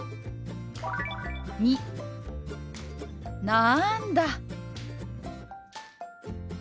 「なんだ」。